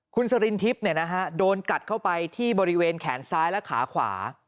คุณสรินทิพย์โดนกัดเข้าไปที่บริเวณแขนซ้ายและขาขวา